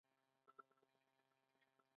تور پوستو ته د رایې ورکولو حق درلود.